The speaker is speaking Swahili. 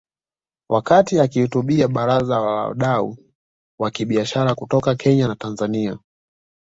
Wakati akihutubia baraza la wadau wa kibiashara kutoka Kenya na Tanzania